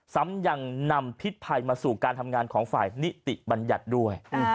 ซ้ำยังนำพิษภัยมาสู่การทำงานของฝ่ายนิติบัญญัติด้วย